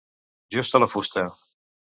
Justa la fusta!